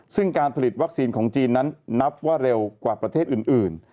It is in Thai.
ซึ่งการผลิตวัคซีนของจีนนั้นนับว่าเร็วกว่าประเทศอื่น